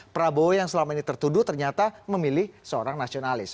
prabowo yang selama ini tertuduh ternyata memilih seorang nasionalis